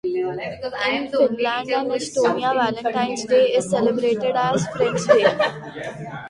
In Finland and Estonia Valentine's Day is celebrated as Friend's Day.